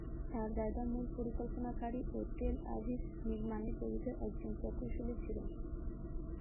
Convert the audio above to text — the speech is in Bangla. তার দাদা মূল পরিকল্পনাকারী ও তেল আভিভ নির্মাণে জড়িত একজন প্রকৌশলী ছিলেন।